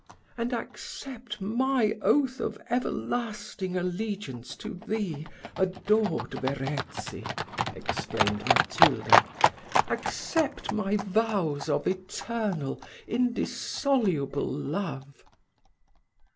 "And accept my oath of everlasting allegiance to thee, adored Verezzi," exclaimed Matilda: "accept my vows of eternal, indissoluble love."